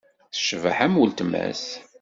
Tecbeḥ am weltma-s.